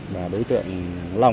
và đối tượng lâm